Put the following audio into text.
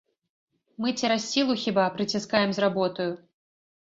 Мы цераз сілу хіба прыціскаем з работаю?